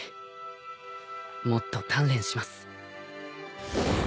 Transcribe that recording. もっと鍛錬します。